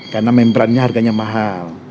karena membrannya harganya mahal